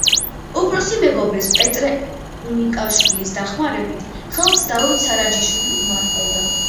უფროსი მეგობრის, პეტრე უმიკაშვილის დახმარებით, ხელს დავით სარაჯიშვილი უმართავდა.